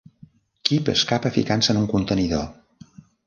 Kyp escapa ficant-se en un contenidor.